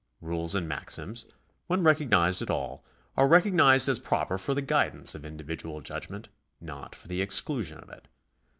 Rules and maxims, when recognised at all, are recognised as proper for the guidance of individual judgment, not for the exclusion of it.